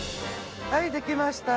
はいできました。